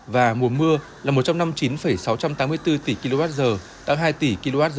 và mùa mưa là một trăm năm mươi chín sáu trăm tám mươi bốn tỷ kwh tăng hai tỷ kwh